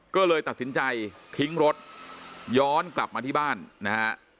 ก็เลยตัดสินใจทิ้งรถย้อนกลับมาที่บ้านนะฮะ